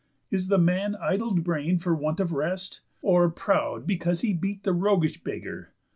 Is the man idle brain'd for want of rest? Or proud because he beat the roguish beggar?